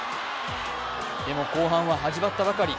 でも後半は始まったばかり。